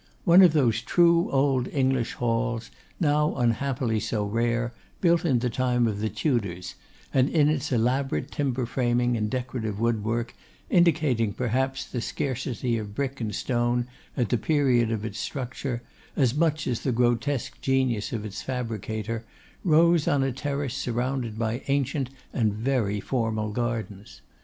One of those true old English Halls, now unhappily so rare, built in the time of the Tudors, and in its elaborate timber framing and decorative woodwork indicating, perhaps, the scarcity of brick and stone at the period of its structure, as much as the grotesque genius of its fabricator, rose on a terrace surrounded by ancient and very formal gardens.